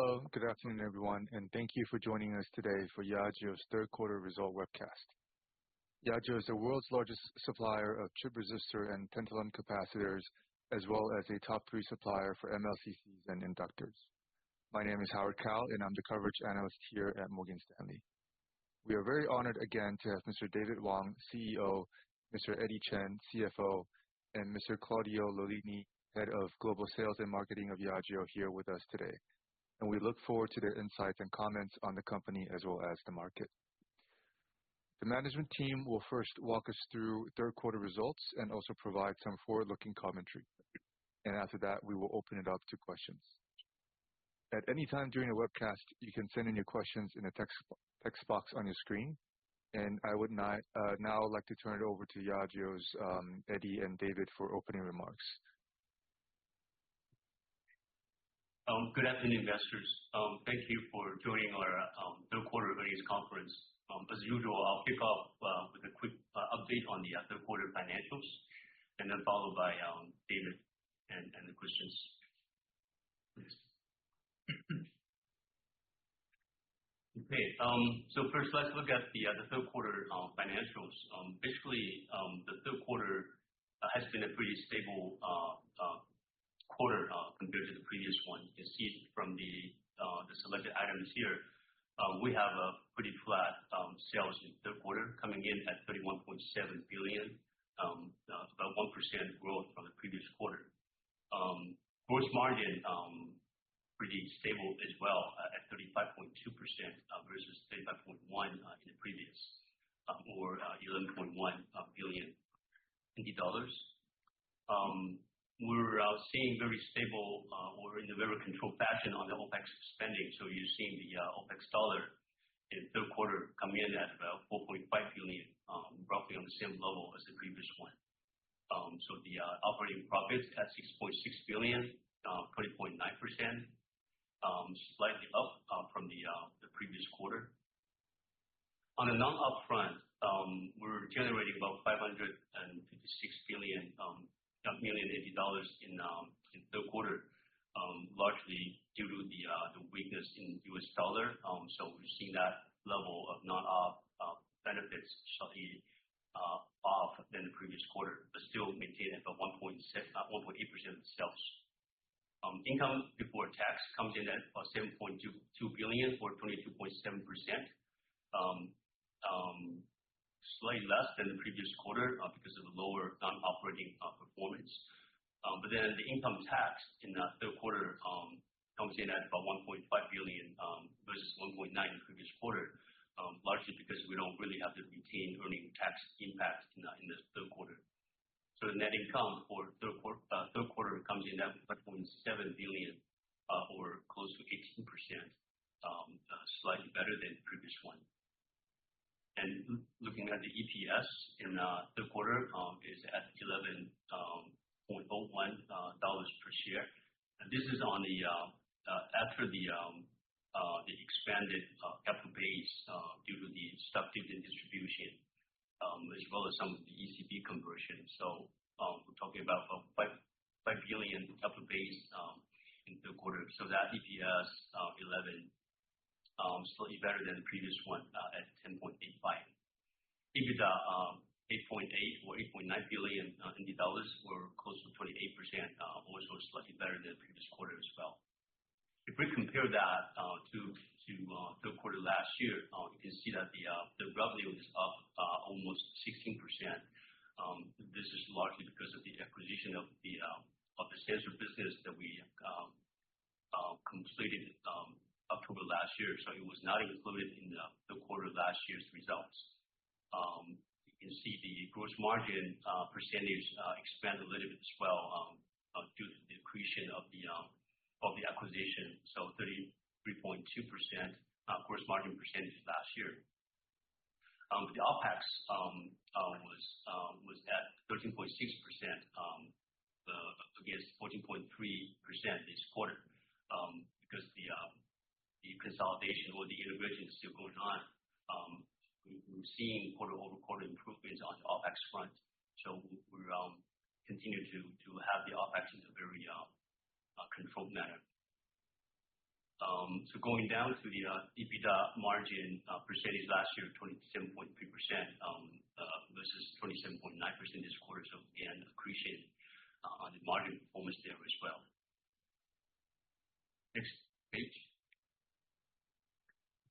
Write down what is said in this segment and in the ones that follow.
Hello. Good afternoon, everyone, thank you for joining us today for Yageo's third quarter result webcast. Yageo is the world's largest supplier of chip resistor and tantalum capacitors, as well as a top three supplier for MLCCs and inductors. My name is Howard Kao, and I'm the coverage analyst here at Morgan Stanley. We are very honored again to have Mr. David Wang, CEO, Mr. Eddie Chen, CFO, and Mr. Claudio Lollini, Head of Global Sales and Marketing of Yageo here with us today. We look forward to their insights and comments on the company as well as the market. The management team will first walk us through third quarter results and also provide some forward-looking commentary. After that, we will open it up to questions. At any time during the webcast, you can send in your questions in a text box on your screen. I would now like to turn it over to Yageo's Eddie and David for opening remarks. Good afternoon, investors. Thank you for joining our third quarter earnings conference. As usual, I'll kick off with a quick update on the third quarter financials, followed by David and the questions. Please. First, let's look at the third quarter financials. Basically, the third quarter has been a pretty stable quarter compared to the previous one. You can see it from the selected items here. We have a pretty flat sales in third quarter, coming in at 31.7 billion. About 1% growth from the previous quarter. Gross margin pretty stable as well, at 35.2% versus 35.1% in the previous, or 11.1 billion NT dollars. We're seeing very stable or in a very controlled fashion on the OPEX spending, so you're seeing the OPEX dollar in third quarter come in at about 4.5 billion, roughly on the same level as the previous one. The operating profits at 6.6 billion, 20.9%, slightly up from the previous quarter. On the non-GAAP front, we're generating about 556 million dollars in third quarter, largely due to the weakness in U.S. dollar. We're seeing that level of non-GAAP benefits slightly off than the previous quarter, but still maintained at 1.8% of sales. Income before tax comes in at 7.2 billion or 22.7%. Slightly less than the previous quarter because of a lower non-operating performance. The income tax in the third quarter comes in at about 1.5 billion versus 1.9 billion the previous quarter, largely because we don't really have the retained earnings tax impact in this third quarter. The net income for third quarter comes in at 5.7 billion or close to 18%, slightly better than the previous one. Looking at the EPS in third quarter is at 11.01 dollars per share. This is after the expanded capital base due to the stock dividend distribution, as well as some of the ECB conversion. We're talking about 5 billion capital base in third quarter. That EPS of 11, slightly better than the previous one at 10.85. EBITDA, 8.8 billion or 8.9 billion dollars, were close to 28%, also slightly better than the previous quarter as well. If we compare that to third quarter last year, you can see that the revenue is up almost 16%. This is largely because of the acquisition of the sensor business that we completed October last year, so it was not included in the third quarter of last year's results. You can see the gross margin percentage expanded a little bit as well due to the accretion of the acquisition, 33.2% gross margin percentage last year. The OPEX was at 13.6% against 14.3% this quarter because the consolidation or the integration is still going on. We're seeing quarter-over-quarter improvements on the OPEX front. We continue to have the OPEX in a very controlled manner. Going down to the EBITDA margin percentage last year, 27.3% versus 27.9% this quarter, again, accretion on the margin performance there as well. Next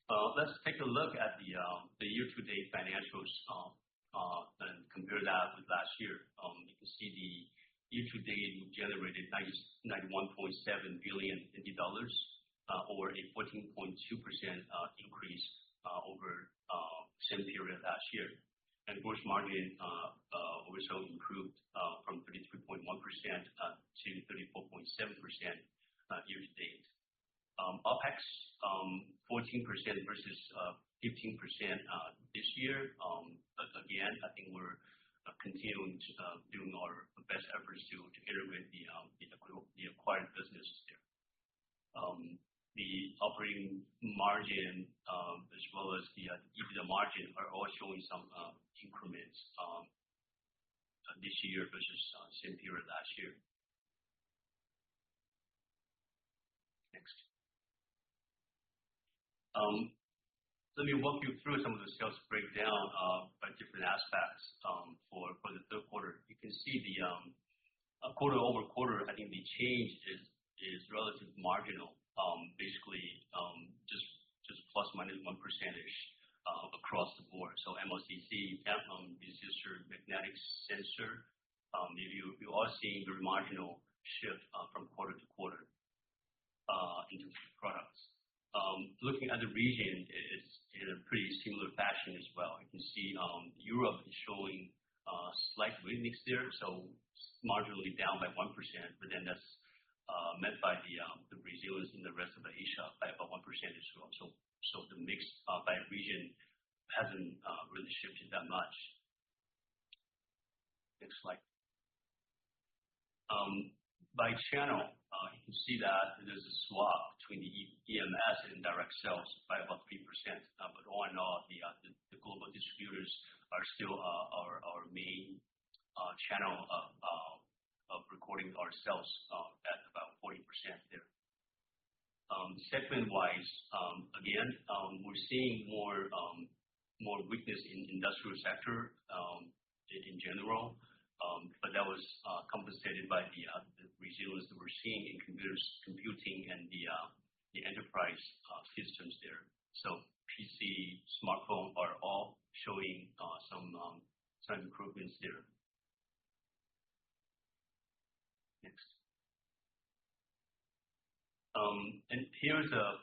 page. Let's take a look at the year-to-date financials, and compare that with last year. You can see the year-to-date, we generated 91.7 billion dollars, or a 14.2% increase over same period last year. Gross margin also improved from 33.1% to 34.7% year-to-date. OPEX, 14% versus 15% this year. Again, I think we're continuing to doing our best efforts to integrate the acquired business there. The operating margin, as well as the EBITDA margin, are all showing some increments. This year versus same period last year. Next. Let me walk you through some of the sales breakdown by different aspects for the third quarter. You can see the quarter-over-quarter, I think the change is relatively marginal. Basically, just plus or minus 1% across the board. MOCC, this is your magnetic sensor. You are seeing very marginal shift from quarter-to-quarter in terms of products. Looking at the region, it is in a pretty similar fashion as well. You can see Europe is showing slight weakness there, so marginally down by 1%, that's met by the resilience in the rest of the Asia by about 1% as well. The mix by region hasn't really shifted that much. Next slide. By channel, you can see that there's a swap between the EMS and direct sales by about 3%. All in all, the global distributors are still our main channel of recording our sales at about 40% there. Segment-wise, again, we're seeing more weakness in industrial sector in general. That was compensated by the resilience that we're seeing in computers, computing, and the enterprise systems there. PC, smartphone are all showing some signs of improvements there. Next. Here is an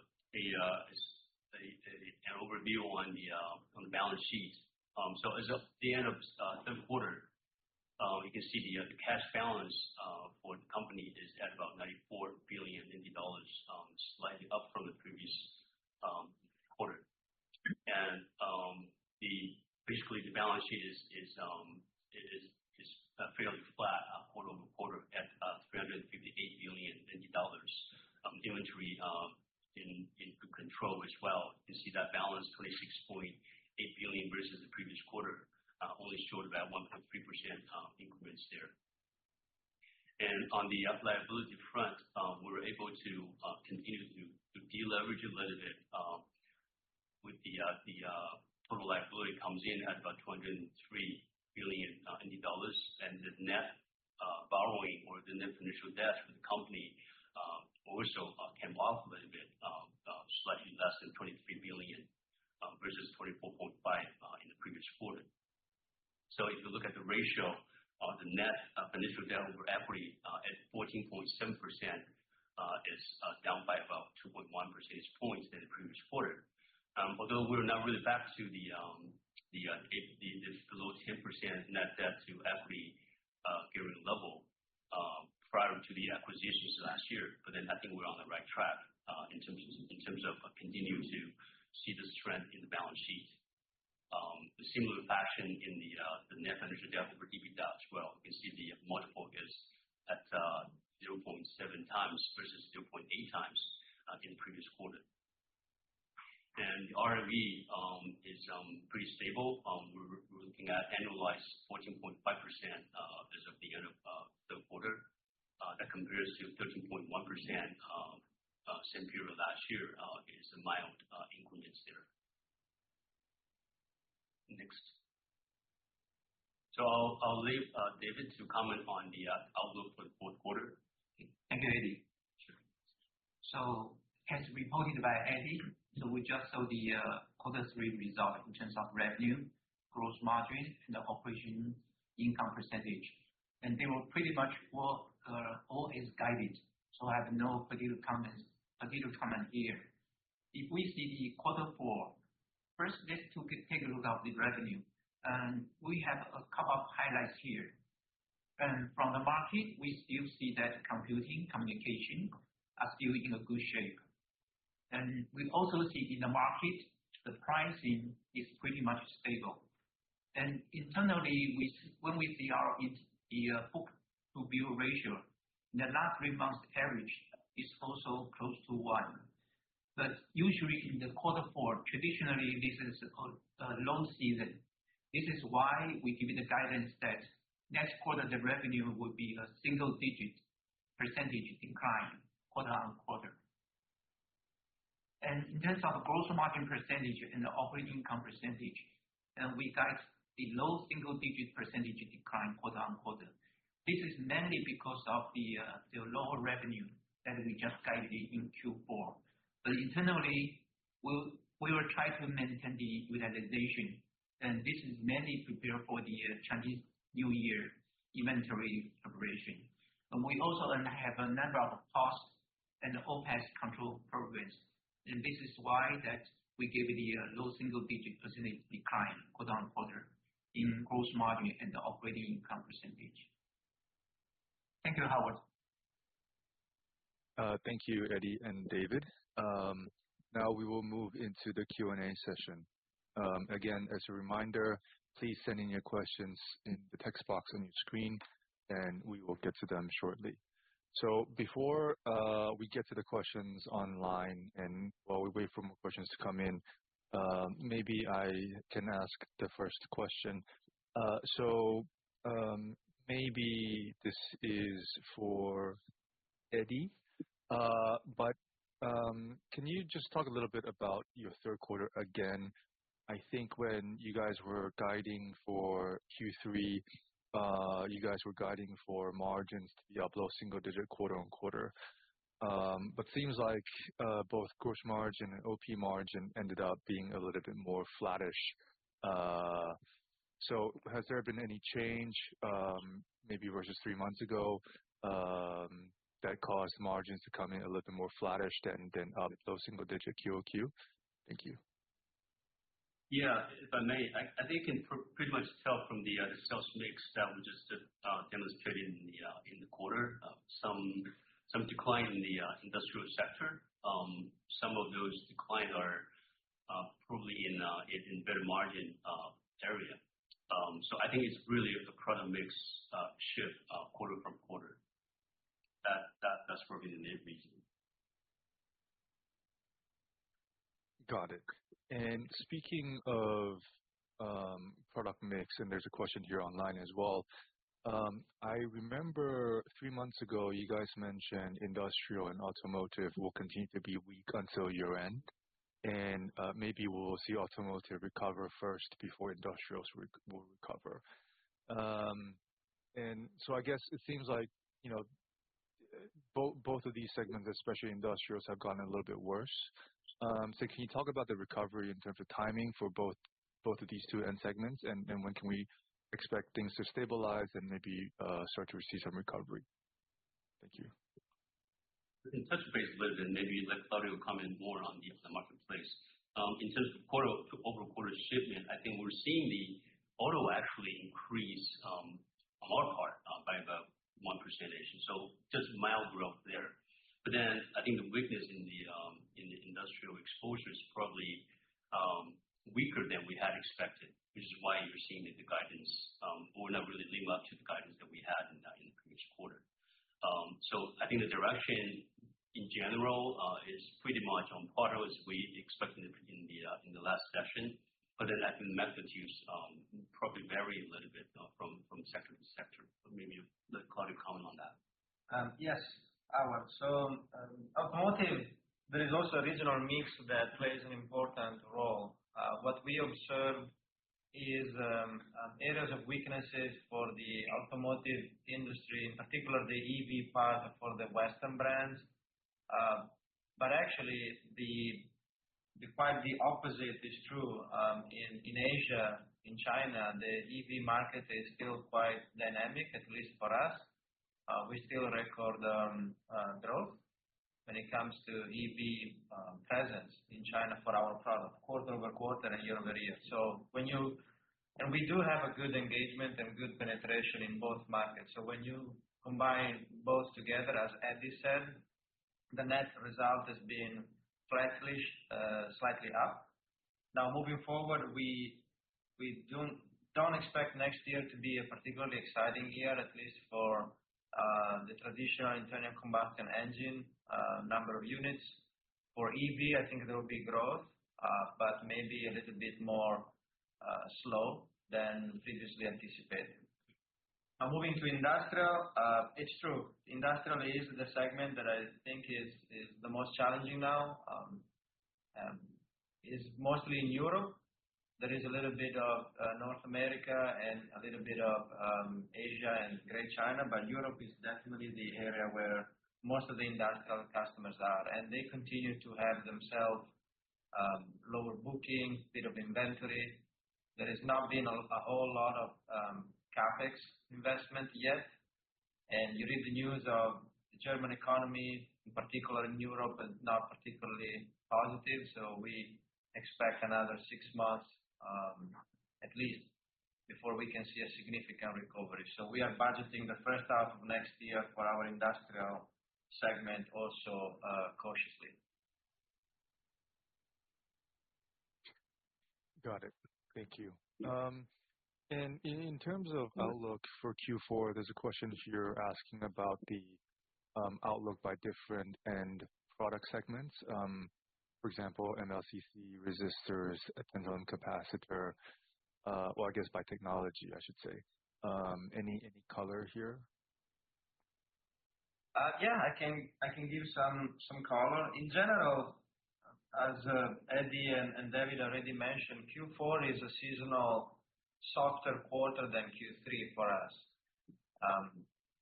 overview on the balance sheet. As of the end of the third quarter, you can see the cash balance for the company is at about 94 billion dollars, slightly up from the previous quarter. Basically, the balance sheet is fairly flat quarter-over-quarter at about 358 billion dollars. Inventory in good control as well. You can see that balance, 26.8 billion versus the previous quarter, only showed about 1.3% increments there. On the liability front, we were able to continue to deleverage a little bit with the total liability comes in at about 203 billion dollars, and the net borrowing or the net financial debt for the company also came off a little bit, slightly less than 23 billion, versus 24.5 billion in the previous quarter. If you look at the ratio of the net financial debt over equity at 14.7%, it's down by about 2.1 percentage points than the previous quarter. We're not really back to the below 10% net debt to equity period level prior to the acquisitions last year. I think we're on the right track in terms of continuing to see the strength in the balance sheet. The similar fashion in the net financial debt over EBITDA as well. You can see the multiple is at 0.7 times versus 0.8 times in the previous quarter. The ROE is pretty stable. We're looking at annualized 14.5% as of the end of the third quarter. That compares to 13.1% same period last year. It is a mild increment there. Next. I'll leave David to comment on the outlook for the fourth quarter. Thank you, Eddie. Sure. As reported by Eddie, we just saw the quarter three result in terms of revenue, gross margin, and the operation income percentage, and they were pretty much all as guided. I have no further comment here. If we see the quarter four, first let's take a look at the revenue, and we have a couple of highlights here. From the market, we still see that computing, communication are still in a good shape. We also see in the market the pricing is pretty much stable. Internally, when we see the book-to-bill ratio, the last three months average is also close to one. Usually in the quarter four, traditionally this is a low season. This is why we give the guidance that next quarter the revenue will be a single-digit percentage decline quarter-on-quarter. In terms of gross margin percentage and the operating income percentage, we guide the low single-digit % decline quarter-on-quarter. This is mainly because of the lower revenue that we just guided in Q4. Internally, we will try to maintain the utilization, and this is mainly prepared for the Chinese New Year inventory preparation. We also have a number of costs and OPEX control progress, and this is why that we give the low single-digit % decline quarter-on-quarter in gross margin and the operating income percentage. Thank you, Howard. Thank you, Eddie and David. We will move into the Q&A session. Again as a reminder, please send in your questions in the text box on your screen, and we will get to them shortly. Before we get to the questions online, while we wait for more questions to come in, maybe I can ask the first question. Maybe this is for Eddie. Can you just talk a little bit about your third quarter again? I think when you guys were guiding for Q3, you guys were guiding for margins to be up low single-digit % quarter-on-quarter. Seems like both gross margin and OP margin ended up being a little bit more flattish. Has there been any change, maybe versus three months ago, that caused margins to come in a little bit more flattish than low single-digit % QOQ? Thank you. Yeah. If I may, I think you can pretty much tell from the sales mix that we just demonstrated in the quarter, some decline in the industrial sector. Some of those declines are probably in better margin area. I think it's really the product mix shift quarter-from-quarter. That's probably the main reason. Got it. Speaking of product mix, there's a question here online as well. I remember three months ago, you guys mentioned industrial and automotive will continue to be weak until year-end, maybe we'll see automotive recover first before industrials will recover. I guess it seems like both of these segments, especially industrials, have gotten a little bit worse. Can you talk about the recovery in terms of timing for both of these two end segments and when can we expect things to stabilize and maybe start to see some recovery? Thank you. I can touch base a little bit and maybe let Claudio comment more on the marketplace. In terms of quarter-over-quarter shipment, I think we're seeing the auto actually increase on our part by about 1%. Just mild growth there. I think the weakness in the industrial exposure is probably weaker than we had expected, which is why you're seeing that the guidance will not really live up to the guidance that we had in the previous quarter. I think the direction in general, is pretty much on par as we expected in the last session. I think methods use probably vary a little bit from sector to sector. Maybe let Claudio comment on that. Yes, Howard. Automotive, there is also a regional mix that plays an important role. What we observe is areas of weaknesses for the automotive industry, in particular the EV part for the Western brands. Actually, quite the opposite is true in Asia. In China, the EV market is still quite dynamic, at least for us. We still record growth when it comes to EV presence in China for our product quarter-over-quarter and year-over-year. We do have a good engagement and good penetration in both markets. When you combine both together, as Eddie said, the net result has been flattish, slightly up. Moving forward, we don't expect next year to be a particularly exciting year, at least for the traditional internal combustion engine number of units. For EV, I think there will be growth, but maybe a little bit more slow than previously anticipated. Moving to industrial. It's true. Industrial is the segment that I think is the most challenging now. It's mostly in Europe. There is a little bit of North America and a little bit of Asia and Great China, but Europe is definitely the area where most of the industrial customers are, and they continue to have themselves lower booking, bit of inventory. There has not been a whole lot of CapEx investment yet. You read the news of the German economy, in particular in Europe, is not particularly positive. We expect another six months at least before we can see a significant recovery. We are budgeting the first half of next year for our industrial segment also cautiously. Got it. Thank you. In terms of outlook for Q4, there's a question here asking about the outlook by different end product segments. For example, MLCC resistors, tantalum capacitor. Well, I guess by technology, I should say. Any color here? I can give some color. In general, as Eddie and David already mentioned, Q4 is a seasonal softer quarter than Q3 for us.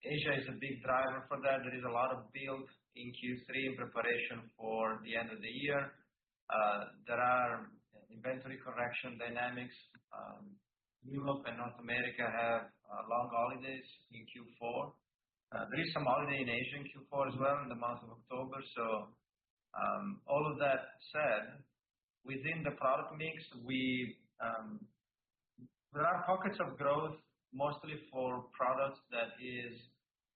Asia is a big driver for that. There is a lot of build in Q3 in preparation for the end of the year. There are inventory correction dynamics. Europe and North America have long holidays in Q4. There is some holiday in Asia in Q4 as well in the month of October. All of that said, within the product mix, there are pockets of growth mostly for products that is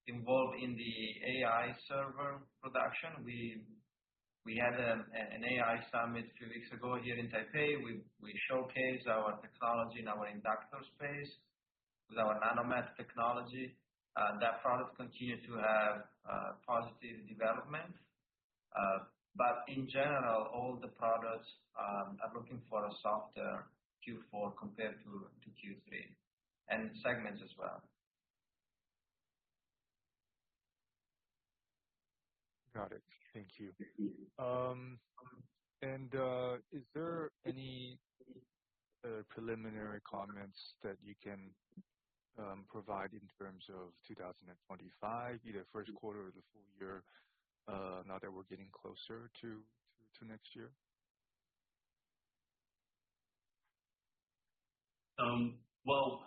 involved in the AI server production. We had an AI summit a few weeks ago here in Taipei. We showcased our technology in our inductor space with our NANOMET technology. That product continues to have positive development. In general, all the products are looking for a softer Q4 compared to Q3, and segments as well. Got it. Thank you. Thank you. Is there any preliminary comments that you can provide in terms of 2025, either first quarter or the full year, now that we're getting closer to next year? Well,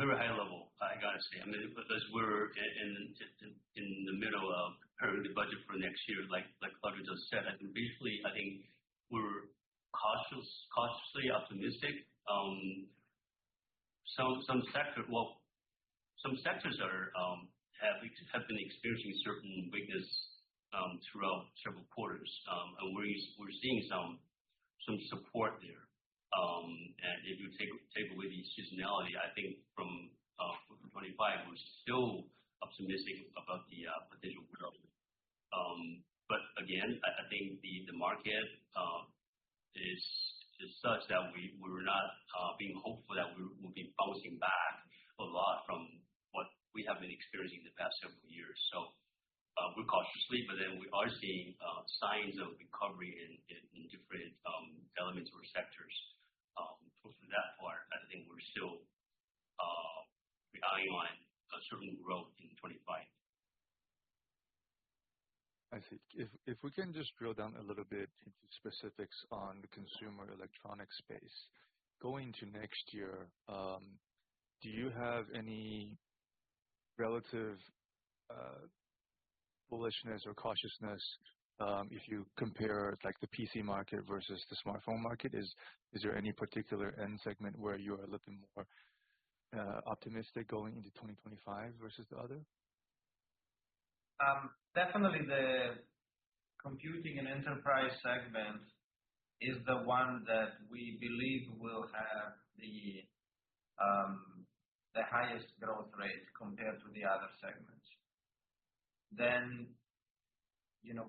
very high level, I got to say, because we're in the middle of preparing the budget for next year, like Claudio just said. Briefly, we're cautiously optimistic. Some sectors have been experiencing certain weakness throughout several quarters. We're seeing some support there. If you take away the seasonality, I think from 2025, we're still optimistic about the potential growth. Again, I think the market is such that we're not being hopeful that we will be bouncing back a lot from what we have been experiencing the past several years. We're cautiously, but then we are seeing signs of recovery in different elements or sectors. From that part, I think we're still relying on a certain growth in 2025. I see. If we can just drill down a little bit into specifics on the consumer electronic space. Going to next year, do you have any relative bullishness or cautiousness if you compare the PC market versus the smartphone market? Is there any particular end segment where you are looking more optimistic going into 2025 versus the other? Definitely the computing and enterprise segment is the one that we believe will have the highest growth rate compared to the other segments.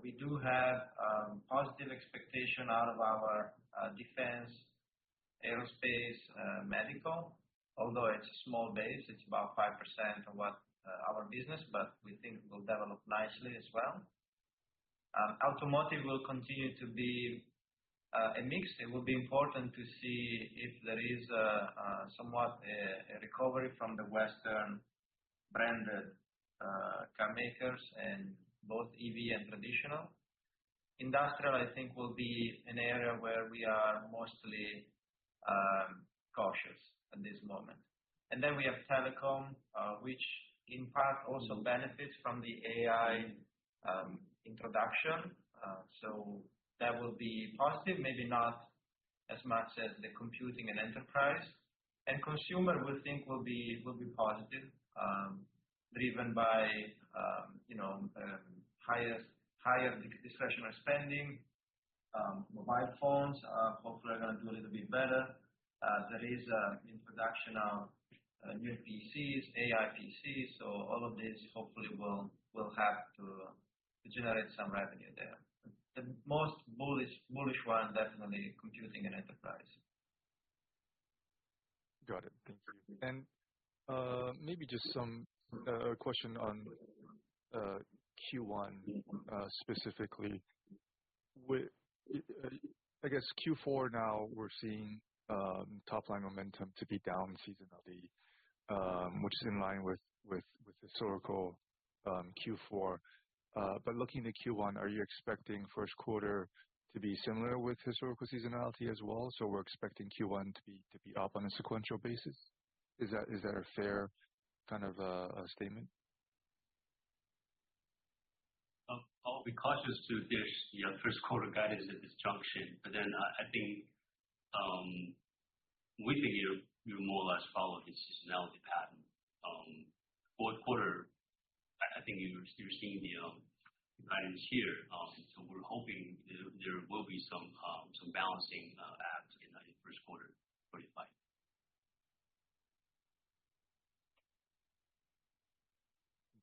We do have a positive expectation out of our defense, aerospace, medical, although it's a small base, it's about 5% of our business, but we think will develop nicely as well. Automotive will continue to be a mix. It will be important to see if there is somewhat a recovery from the Western branded car makers in both EV and traditional. Industrial, I think, will be an area where we are mostly cautious at this moment. We have telecom, which in part also benefits from the AI introduction. That will be positive, maybe not as much as the computing and enterprise. Consumer we think will be positive, driven by higher discretionary spending. Mobile phones are hopefully going to do a little bit better. There is introduction of new PCs, AI PCs, all of this hopefully will have to generate some revenue there. The most bullish one, definitely computing and enterprise. Got it. Thank you. Maybe just a question on Q1, specifically. I guess Q4 now we're seeing top line momentum to be down seasonally, which is in line with historical Q4. Looking to Q1, are you expecting first quarter to be similar with historical seasonality as well? We're expecting Q1 to be up on a sequential basis? Is that a fair kind of a statement? I'll be cautious to give first quarter guidance at this junction. I think we think it'll more or less follow the seasonality pattern. Fourth quarter, I think you're seeing the guidance here. We're hoping there will be some balancing act in that first quarter 2025.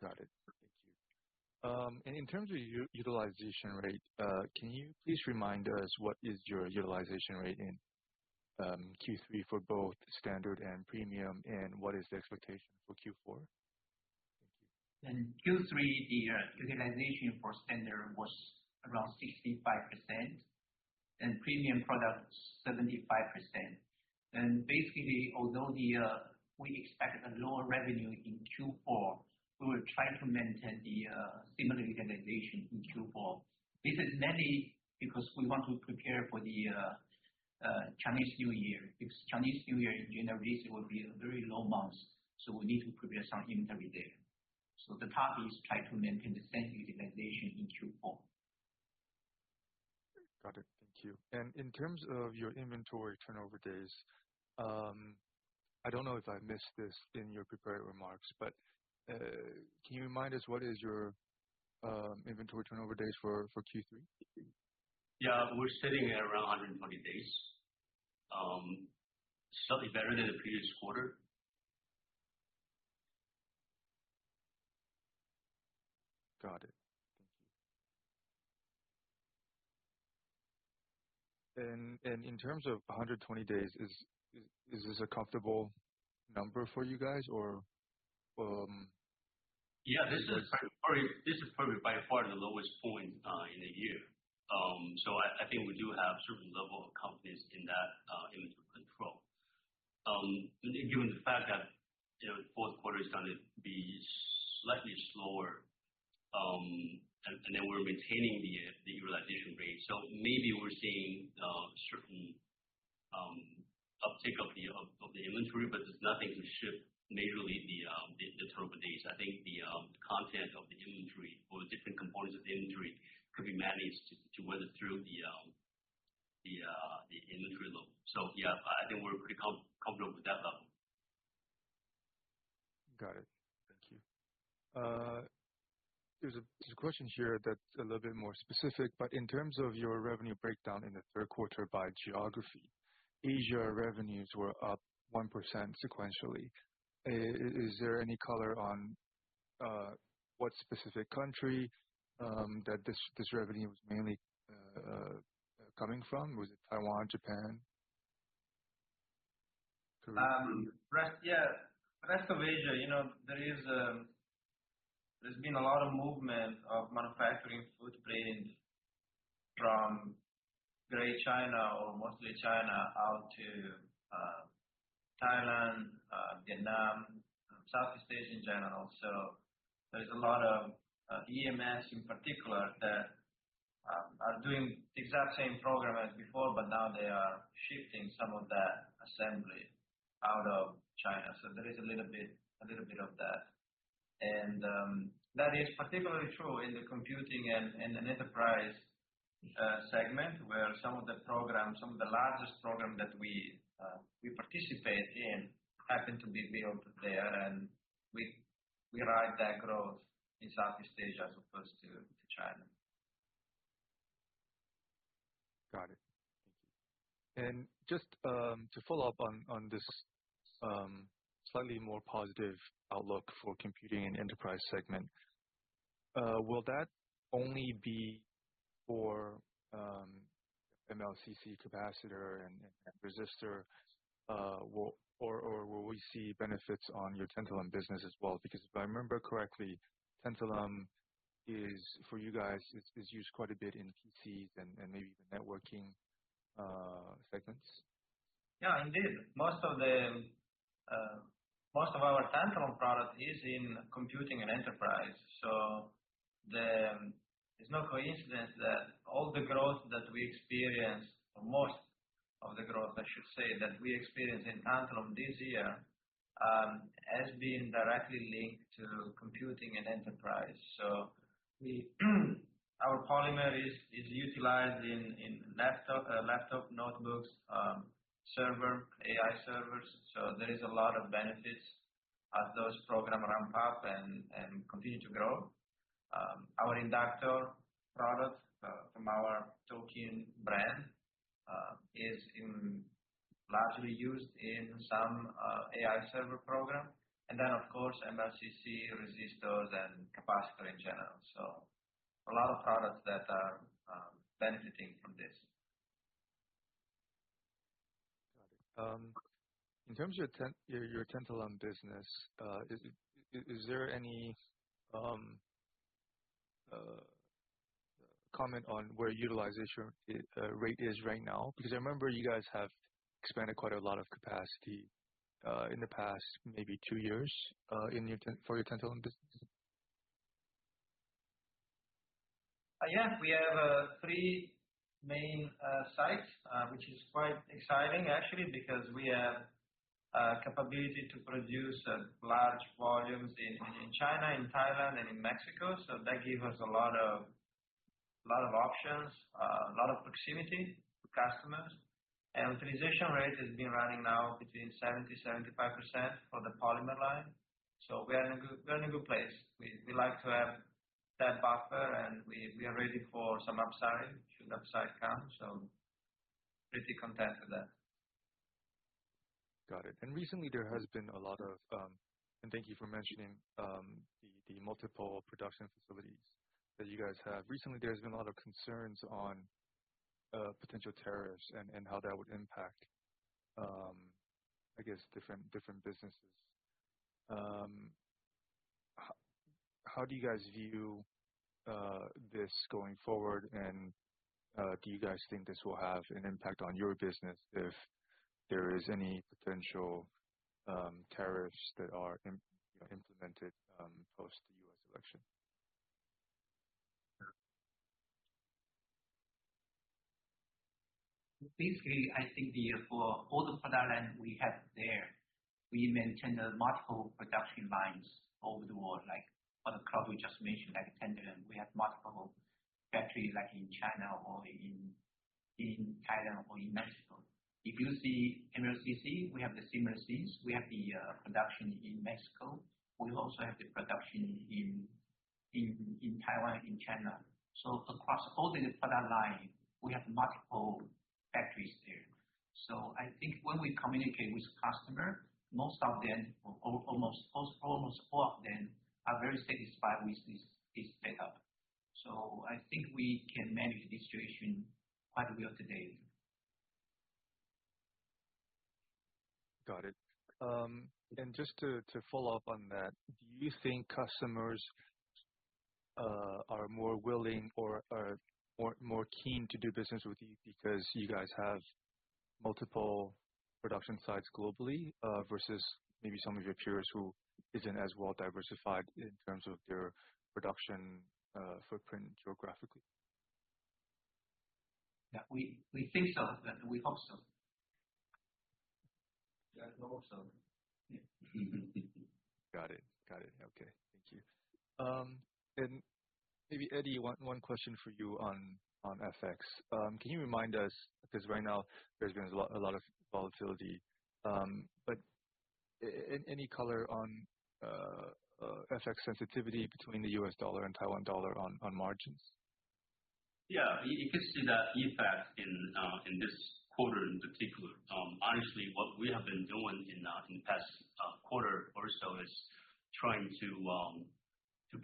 Got it. Thank you. In terms of utilization rate, can you please remind us what is your utilization rate in Q3 for both standard and premium, and what is the expectation for Q4? Thank you. In Q3, the utilization for standard was around 65%, and premium product, 75%. Basically, although we expect a lower revenue in Q4, we will try to maintain the similar utilization in Q4. This is mainly because we want to prepare for the Chinese New Year, because Chinese New Year in January, it will be a very low month, so we need to prepare some inventory there. The target is try to maintain the same utilization in Q4. Got it. Thank you. In terms of your inventory turnover days, I don't know if I missed this in your prepared remarks, but can you remind us what is your inventory turnover days for Q3? Yeah. We're sitting at around 120 days. Slightly better than the previous quarter. Got it. Thank you. In terms of 120 days, is this a comfortable number for you guys? Yeah. This is probably by far the lowest point in a year. I think we do have a certain level of confidence in that inventory control. Given the fact that fourth quarter is going to be slightly slower, that we're maintaining the utilization rate. Maybe we're seeing a certain uptick of the inventory, but it's nothing to shift majorly the turnover days. I think the content of the inventory or the different components of the inventory could be managed to weather through the inventory level. Yeah, I think we're pretty comfortable with that level. Got it. Thank you. There's a question here that's a little bit more specific, in terms of your revenue breakdown in the third quarter by geography, Asia revenues were up 1% sequentially. Is there any color on what specific country that this revenue was mainly coming from? Was it Taiwan, Japan? Yeah. Rest of Asia, there's been a lot of movement of manufacturing footprint from Greater China or mostly China out to Thailand, Vietnam, Southeast Asia in general. There's a lot of EMS in particular that are doing the exact same program as before, now they are shifting some of that assembly out of China. There is a little bit of that. That is particularly true in the computing and enterprise segment, where some of the largest programs that we participate in happen to be built there, and we ride that growth in Southeast Asia as opposed to China. Got it. Thank you. Just to follow up on this slightly more positive outlook for computing and enterprise segment, will that only be for MLCC capacitor and resistor, will we see benefits on your tantalum business as well? If I remember correctly, tantalum is, for you guys, it's used quite a bit in PCs and maybe even networking segments. Yeah, indeed. Most of our tantalum product is in computing and enterprise. It's no coincidence that all the growth that we experience, or most of the growth I should say, that we experience in tantalum this year, has been directly linked to computing and enterprise. Our polymer is utilized in laptop notebooks, server, AI servers. There is a lot of benefits as those program ramp up and continue to grow. Our inductor product, from our Tokin brand, is largely used in some AI server program. Of course, MLCC resistors and capacitor in general. A lot of products that are benefiting from this. Got it. In terms of your tantalum business, is there any comment on where utilization rate is right now? I remember you guys have expanded quite a lot of capacity in the past maybe two years, for your tantalum business. Yeah. We have three main sites, which is quite exciting actually because we have capability to produce at large volumes in China, in Thailand, and in Mexico. That gives us a lot of options, a lot of proximity to customers. Utilization rate has been running now between 70%-75% for the polymer line. We are in a good place. We like to have that buffer and we are ready for some up-siding should upside come. Pretty content with that. Got it. Thank you for mentioning the multiple production facilities that you guys have. Recently, there's been a lot of concerns on potential tariffs and how that would impact, I guess, different businesses. How do you guys view this going forward, and do you guys think this will have an impact on your business if there is any potential tariffs that are implemented post the U.S. election? Basically, I think for all the product line we have there, we maintain multiple production lines over the world. Like for the product we just mentioned, like tantalum, we have multiple factories in China or in Thailand or in Mexico. If you see MLCC, we have the similar scenes. We have the production in Mexico. We also have the production in Taiwan and China. Across all the product line, we have multiple factories there. I think when we communicate with customer, most of them, or almost all of them are very satisfied with this setup. I think we can manage the situation quite well today. Got it. Just to follow up on that, do you think customers are more willing or are more keen to do business with you because you guys have multiple production sites globally versus maybe some of your peers who isn't as well diversified in terms of their production footprint geographically? Yeah. We think so, and we hope so. I hope so. Got it. Okay. Thank you. Maybe Eddie, one question for you on FX. Can you remind us, because right now there's been a lot of volatility, but any color on FX sensitivity between the U.S. dollar and Taiwan dollar on margins? Yeah. You could see that effect in this quarter in particular. Honestly, what we have been doing in the past quarter or so is trying to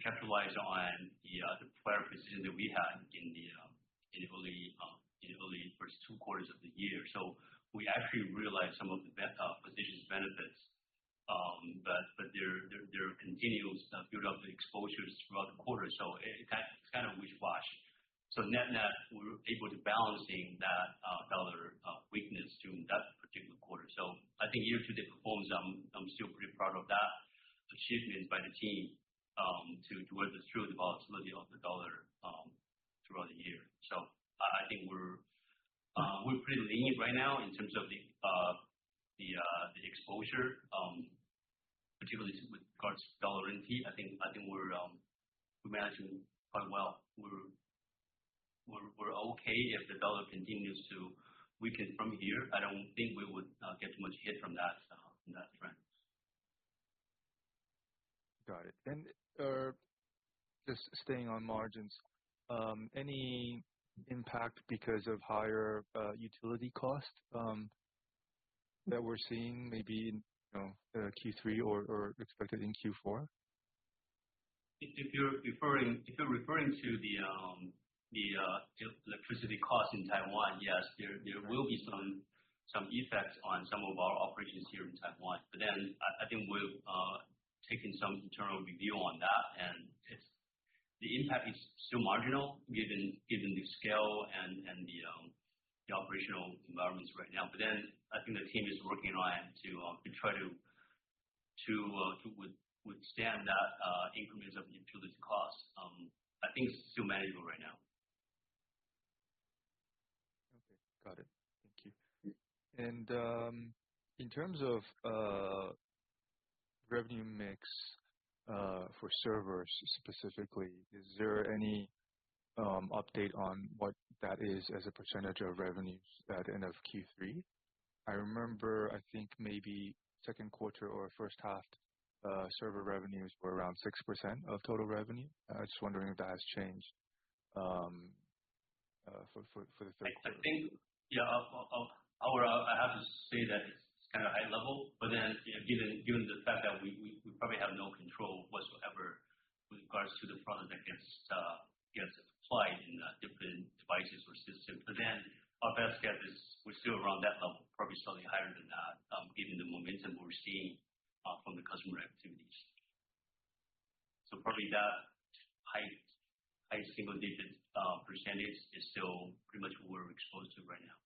capitalize on the prior position that we had in the early first two quarters of the year. We actually realized some of the positions benefits, but there continues to build up the exposures throughout the quarter. It's kind of wish-wash. Net-net, we're able to balancing that USD weakness during that particular quarter. I think year-to-date performance, I'm still pretty proud of that achievement by the team to weather through the volatility of the USD, throughout the year. I think we're pretty lenient right now in terms of the exposure, particularly with regards to USD and TWD. I think we're managing quite well. We're okay if the USD continues to weaken from here. I don't think we would get too much hit from that trend. Got it. Just staying on margins, any impact because of higher utility cost that we're seeing maybe in Q3 or expected in Q4? If you're referring to the electricity cost in Taiwan, yes. There will be some effects on some of our operations here in Taiwan. I think we've taken some internal review on that, and the impact is still marginal given the scale and the operational environments right now. I think the team is working on to try to withstand that increments of utility cost. I think it's still manageable right now. Okay. Got it. Thank you. In terms of revenue mix for servers specifically, is there any update on what that is as a percentage of revenues at end of Q3? I remember, I think maybe second quarter or first half, server revenues were around 6% of total revenue. I was just wondering if that has changed for the third quarter. I think. I have to say that it's kind of high level, given the fact that we probably have no control whatsoever with regards to the product that gets applied in different devices or systems. Our best guess is we're still around that level, probably slightly higher than that, given the momentum we're seeing from the customer activities. Probably that high single-digit percentage is still pretty much what we're exposed to right now.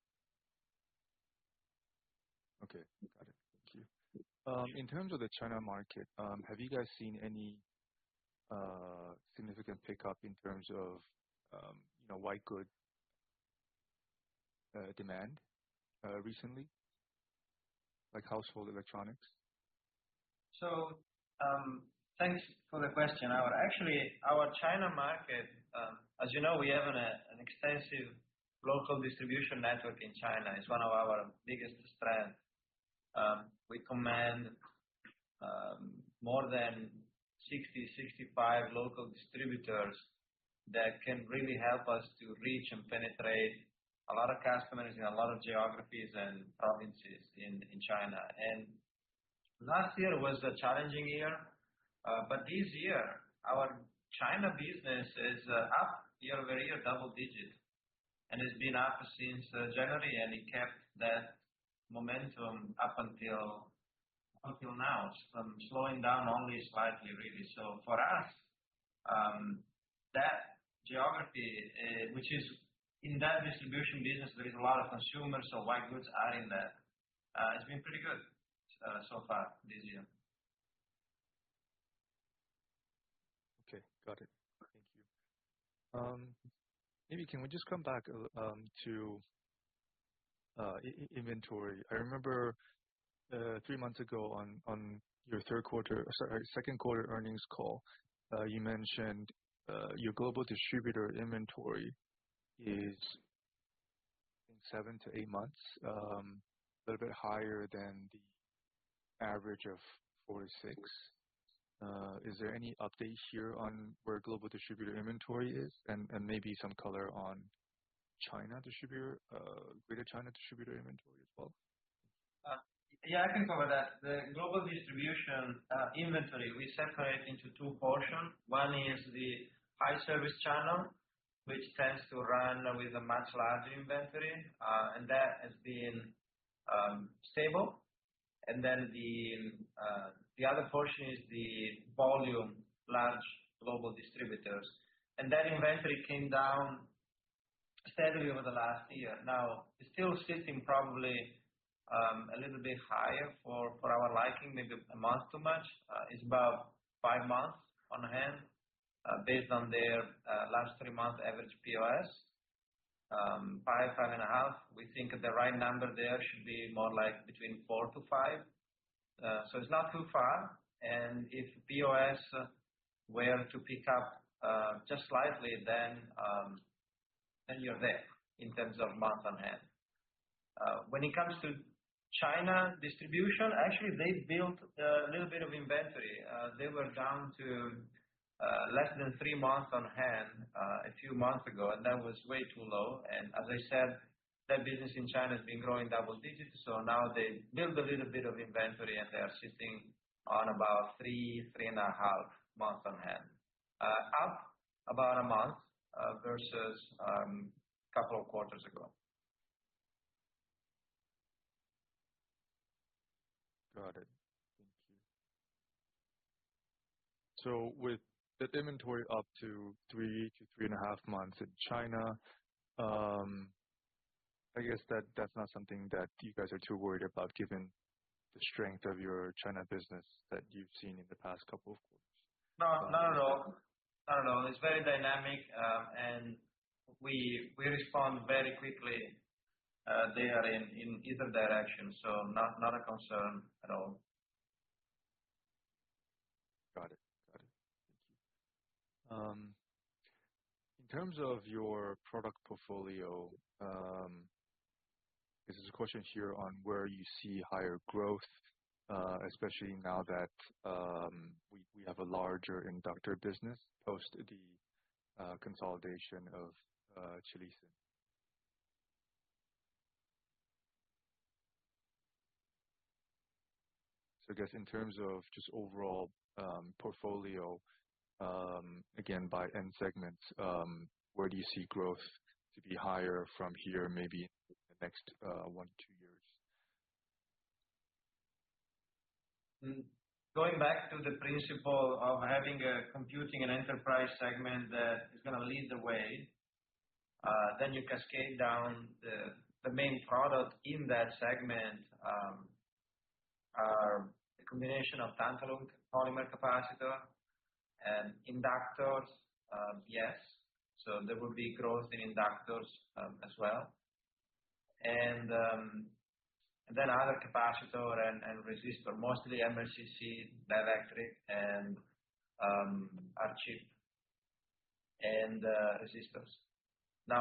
Okay. Got it. Thank you. In terms of the China market, have you guys seen any significant pickup in terms of white good demand recently, like household electronics? Thanks for the question. Actually, our China market, as you know, we have an extensive local distribution network in China. It's one of our biggest strength. We command more than 60, 65 local distributors that can really help us to reach and penetrate a lot of customers in a lot of geographies and provinces in China. Last year was a challenging year. This year, our China business is up year-over-year, double digit, and it's been up since January, and it kept that momentum up until now. It's slowing down only slightly, really. For us, that geography, which is in that distribution business, there is a lot of consumers of white goods are in there. It's been pretty good so far this year. Okay. Got it. Thank you. Maybe can we just come back to inventory? I remember three months ago on your second quarter earnings call, you mentioned your global distributor inventory is in seven to eight months, a little bit higher than the average of four to six. Is there any update here on where global distributor inventory is and maybe some color on greater China distributor inventory as well? Yeah, I can cover that. The global distribution inventory, we separate into two portions. One is the high service channel, which tends to run with a much larger inventory, and that has been stable. The other portion is the volume large global distributors. That inventory came down steadily over the last year. Now, it's still sitting probably a little bit higher for our liking, maybe a month too much. It's about five months on hand, based on their last three-month average POS. Five, five and a half. We think the right number there should be more like between four to five. It's not too far, and if POS were to pick up just slightly, then you're there in terms of month on hand. When it comes to China distribution, actually, they built a little bit of inventory. They were down to less than three months on hand a few months ago, and that was way too low. As I said, that business in China has been growing double digits, now they built a little bit of inventory and they are sitting on about three and a half months on hand. Up about a month, versus couple of quarters ago. Got it. Thank you. With that inventory up to three to three and a half months in China, I guess that's not something that you guys are too worried about given the strength of your China business that you've seen in the past couple of quarters? No, not at all. It's very dynamic, and we respond very quickly there in either direction. Not a concern at all. Got it. Thank you. In terms of your product portfolio, this is a question here on where you see higher growth, especially now that we have a larger inductor business post the consolidation of Chilisin. I guess in terms of just overall portfolio, again, by end segment, where do you see growth to be higher from here, maybe in the next one, two years? Going back to the principle of having a computing and enterprise segment that is going to lead the way, then you cascade down the main product in that segment, are a combination of tantalum, polymer capacitor, and inductors. Yes, there will be growth in inductors as well. Then other capacitor and resistor, mostly MLCC, dielectric, and our chip and resistors.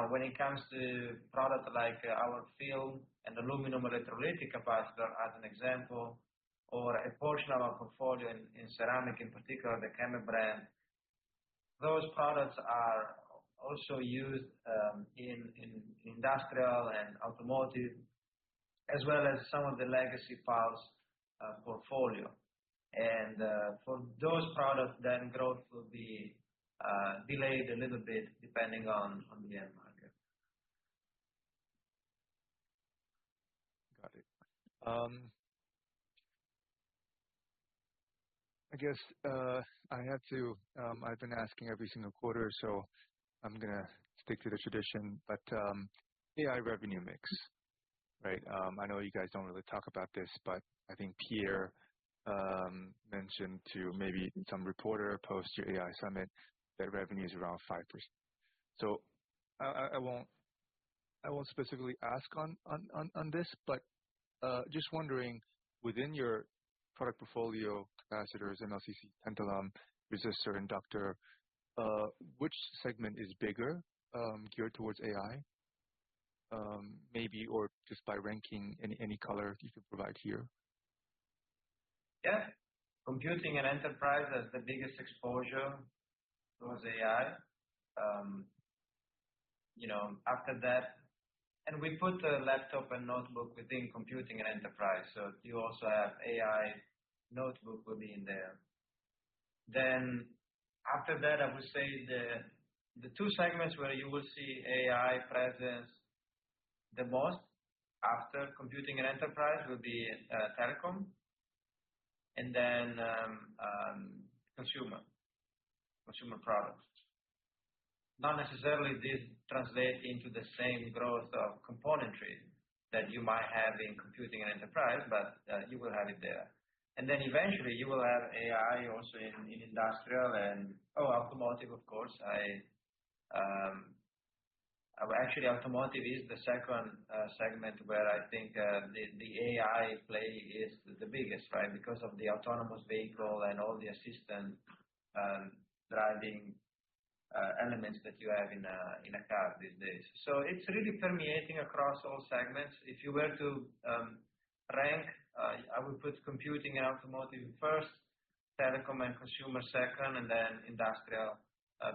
When it comes to product like our film and aluminum electrolytic capacitor, as an example, or a portion of our portfolio in ceramic, in particular, the KEMET brand. Those products are also used in industrial and automotive, as well as some of the legacy files portfolio. For those products, then growth will be delayed a little bit depending on the end market. Got it. I guess, I've been asking every single quarter, so I'm going to stick to the tradition. AI revenue mix. I know you guys don't really talk about this, but I think Pierre mentioned to maybe some reporter post your AI summit that revenue is around 5%. I won't specifically ask on this, but just wondering, within your product portfolio, capacitors, MLCC, tantalum, resistor, inductor, which segment is bigger, geared towards AI? Maybe or just by ranking, any color you could provide here. Yeah. Computing and enterprise has the biggest exposure towards AI. After that, we put laptop and notebook within computing and enterprise. You also have AI notebook will be in there. After that, I would say the two segments where you will see AI presence the most after computing and enterprise will be telecom and then consumer products. Not necessarily this translate into the same growth of componentry that you might have in computing and enterprise, but you will have it there. Eventually you will have AI also in industrial and automotive, of course. Actually, automotive is the second segment where I think the AI play is the biggest, right? Because of the autonomous vehicle and all the assistant driving elements that you have in a car these days. It's really permeating across all segments. If you were to rank, I would put computing and automotive first, telecom and consumer second, and then industrial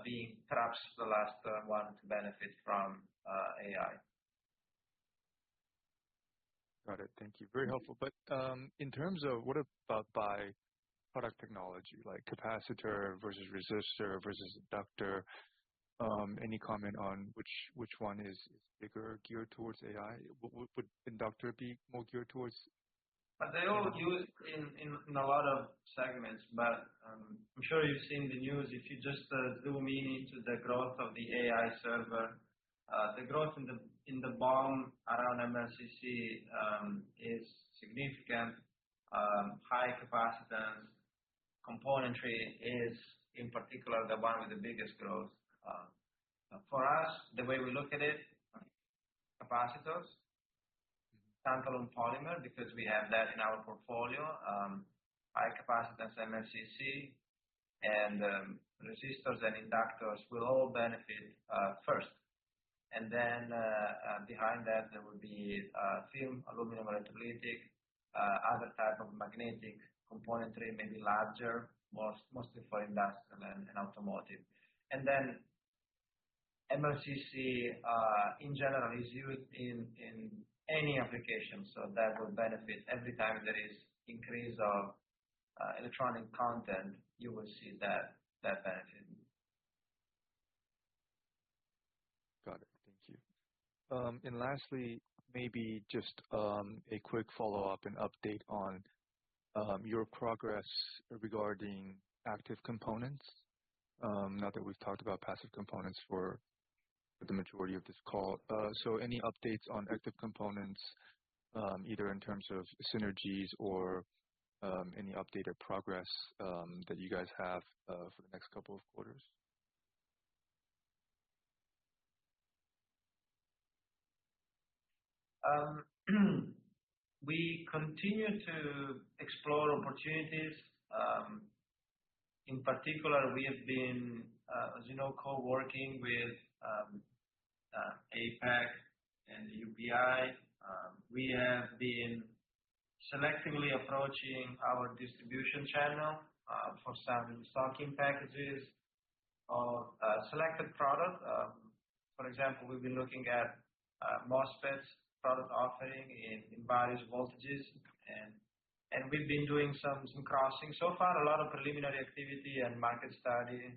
being perhaps the last one to benefit from AI. Got it. Thank you. Very helpful. In terms of what about by product technology, like capacitor versus resistor versus inductor, any comment on which one is bigger geared towards AI? Would inductor be more geared towards? They're all used in a lot of segments. I'm sure you've seen the news, if you just zoom in into the growth of the AI server, the growth in the BOM around MLCC is significant. High capacitance componentry is in particular the one with the biggest growth. For us, the way we look at it, capacitors, tantalum polymer, because we have that in our portfolio. High capacitance MLCC, and resistors and inductors will all benefit first. Behind that, there will be film, aluminum electrolytic, other type of magnetic componentry, maybe larger, mostly for industrial and automotive. MLCC, in general, is used in any application, so that will benefit every time there is increase of electronic content, you will see that benefit. Got it. Thank you. Lastly, maybe just a quick follow-up and update on your progress regarding active components. Now that we've talked about passive components for the majority of this call. Any updates on active components, either in terms of synergies or any updated progress that you guys have for the next couple of quarters? We continue to explore opportunities. In particular, we have been, as you know, co-working with APAC and UBI. We have been selectively approaching our distribution channel for some stocking packages of selected product. For example, we've been looking at MOSFETs product offering in various voltages, and we've been doing some crossing. Far, a lot of preliminary activity and market study.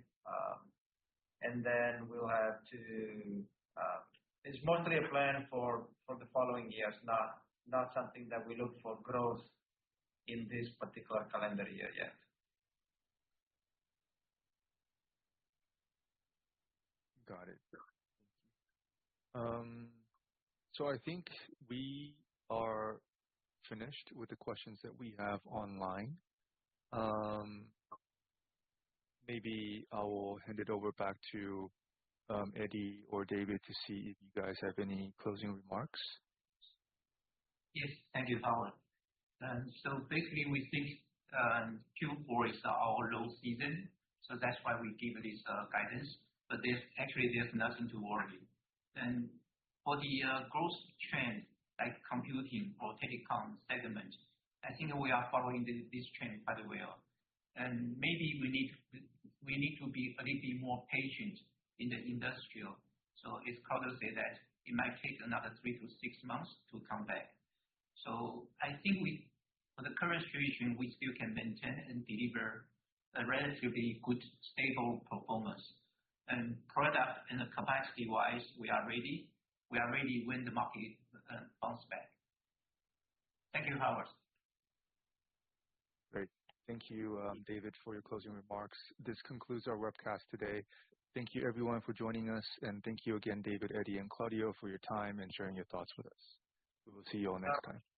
It's mostly a plan for the following years, not something that we look for growth in this particular calendar year yet. Got it. I think we are finished with the questions that we have online. Maybe I will hand it over back to Eddie or David to see if you guys have any closing remarks. Yes. Thank you, Howard. Basically, we think Q4 is our low season, so that's why we give this guidance. Actually, there's nothing to worry. For the growth trend, like computing or telecom segment, I think we are following this trend very well. Maybe we need to be a little bit more patient in the industrial. As Claudio said that it might take another 3-6 months to come back. I think for the current situation, we still can maintain and deliver a relatively good, stable performance. Product and capacity-wise, we are ready when the market bounce back. Thank you, Howard. Great. Thank you, David, for your closing remarks. This concludes our webcast today. Thank you, everyone, for joining us, and thank you again, David, Eddie, and Claudio for your time and sharing your thoughts with us. We will see you all next time. Thank you.